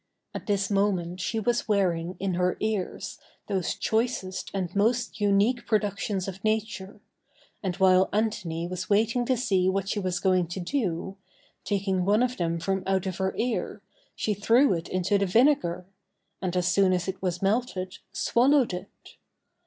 At this moment she was wearing in her ears those choicest and most unique productions of Nature; and while Antony was waiting to see what she was going to do, taking one of them from out of her ear, she threw it into the vinegar, and as soon as it was melted, swallowed it.